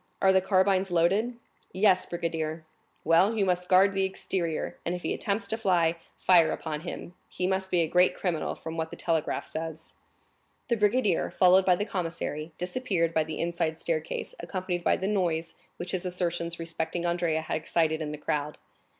Are the carbines loaded?" "Yes, brigadier." "Well, you guard the exterior, and if he attempts to fly, fire upon him; he must be a great criminal, from what the telegraph says." The brigadier, followed by the commissary, disappeared by the inside staircase, accompanied by the noise which his assertions respecting Andrea had excited in the crowd.